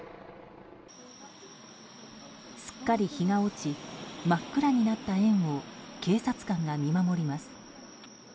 すっかり日が落ち真っ黒になった園を警察官が見守ります。